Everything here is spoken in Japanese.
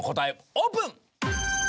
オープン！